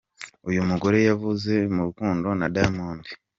Uyu mugore yavuzwe mu rukundo na Diamond .